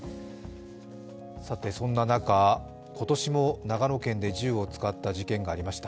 さて、そんな中、今年も長野県で銃を使った事件がありました。